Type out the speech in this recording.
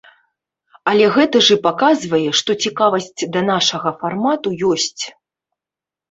Але гэта ж і паказвае, што цікавасць да нашага фармату ёсць.